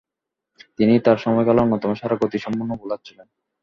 তিনি তার সময়কালে অন্যতম সেরা গতিসম্পন্ন বোলার ছিলেন।